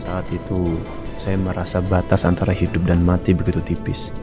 saat itu saya merasa batas antara hidup dan mati begitu tipis